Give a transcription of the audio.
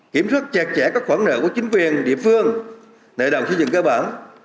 kiểm soát chẹt chẽ các khoản nợ của chính quyền địa phương nợ đồng xây dựng cơ bản